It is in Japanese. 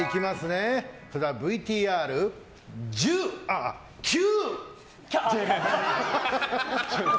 では、ＶＴＲ１０いや、９！